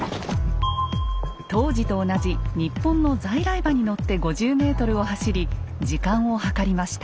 当時と同じ日本の在来馬に乗って５０ｍを走り時間を計りました。